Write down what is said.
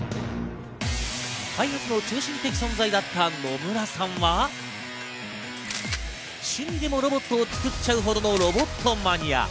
開発の中心的存在だった野村さんは、趣味でもロボットを作っちゃうほどのロボットマニア。